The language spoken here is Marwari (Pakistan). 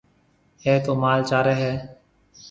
اَي تو مال چاري هيَ۔